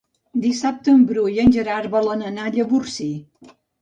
Dissabte en Bru i en Gerard volen anar a Llavorsí.